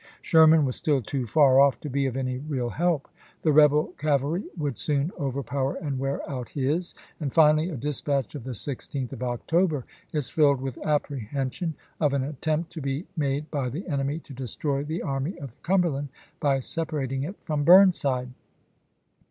Sherman was still too far off to be of any real help. The rebel cavalry would soon overpower and wear out his ; and finally a dispatch of the 16th of October is filled with apprehcDsion of an attempt to be made by the enemy to destroy the Army of the Cumberland by separating it from Burnside.